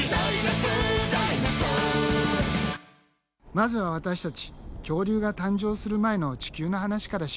まずは私たち恐竜が誕生する前の地球の話からしよう。